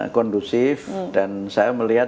kondusif dan saya melihat